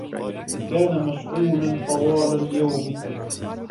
كان مشغولاً طوال اليوم.